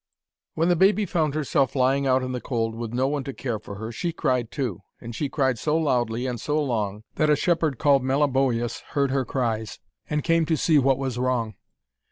When the baby found herself lying out in the cold with no one to care for her, she cried too. And she cried so loudly and so long, that a shepherd called Meliboeus heard her cries, and came to see what was wrong.